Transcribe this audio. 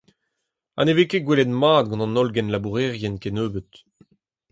Ha ne vez ket gwelet mat gant an holl genlabourerien kennebeut.